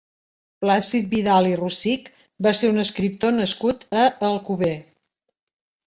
Plàcid Vidal i Rosich va ser un escriptor nascut a Alcover.